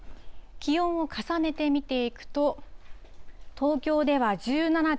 気温を重ねて見ていくと、東京では１７．８度。